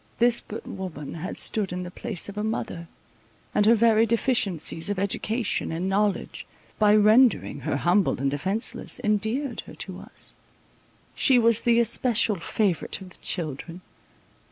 This good woman had stood in the place of a mother, and her very deficiencies of education and knowledge, by rendering her humble and defenceless, endeared her to us—she was the especial favourite of the children.